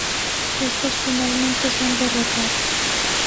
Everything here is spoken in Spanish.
Estos finalmente son derrotados.